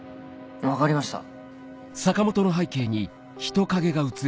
分かりました。